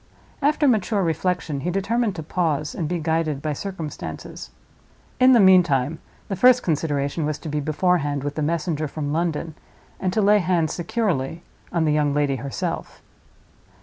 After mature reflection, he determined to pause, and be guided by circumstances. In the meantime, the first consideration was to be beforehand with the messenger from London, and to lay hands securely on the young lady herself.